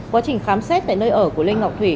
quá trình khám xét tại nơi ở của lê ngọc thủy